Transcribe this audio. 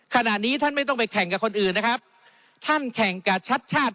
ขณะนี้ท่านไม่ต้องไปแข่งกับคนอื่นนะครับท่านแข่งกับชัดชาติ